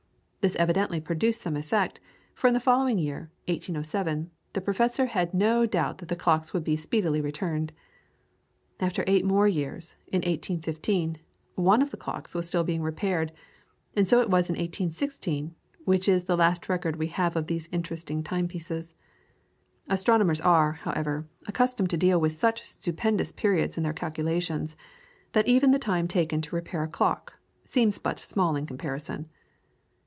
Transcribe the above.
This evidently produced some effect, for in the following year, 1807, the Professor had no doubt that the clocks would be speedily returned. After eight years more, in 1815, one of the clocks was still being repaired, and so it was in 1816, which is the last record we have of these interesting time pieces. Astronomers are, however, accustomed to deal with such stupendous periods in their calculations, that even the time taken to repair a clock seems but small in comparison.